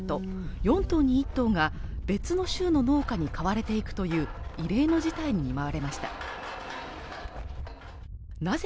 ４頭に１頭が別の州の農家に買われていくという異例の事態に見舞われましたなぜ